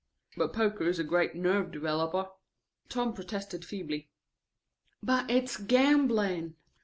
"But poker is a great nerve developer," Tom protested feebly. "But it's gambling."